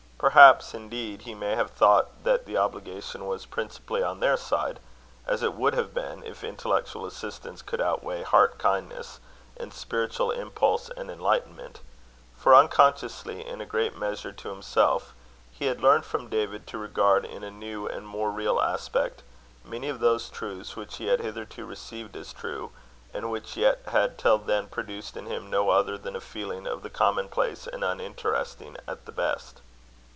Perhaps, indeed, he may have thought that the obligation was principally on their side; as it would have been, if intellectual assistance could outweigh heart kindness, and spiritual impulse and enlightenment; for, unconsciously in a great measure to himself, he had learned from David to regard in a new and more real aspect, many of those truths which he had hitherto received as true, and which yet had till then produced in him no other than a feeling of the common place and uninteresting at the best.